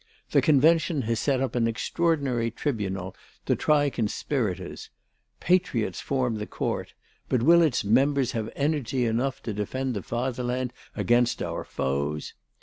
The Convention has set up an extraordinary tribunal to try conspirators. Patriots form the court; but will its members have energy enough to defend the fatherland against our foes?